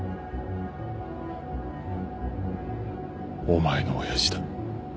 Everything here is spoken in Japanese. お前の親父だ。